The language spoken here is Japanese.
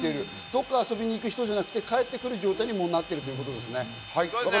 どこかに遊びに行く人じゃなくて、帰ってくる状況になってるということですね。